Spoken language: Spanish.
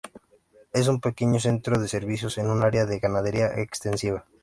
Es un pequeño centro de servicios en un área de ganadería extensiva.